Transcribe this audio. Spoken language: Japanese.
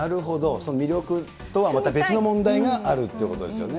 その魅力とはまた別の問題があるっていうことですよね。